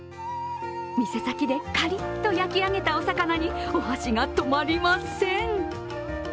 店先でカリッと焼き上げたお魚に、お箸が止まりません。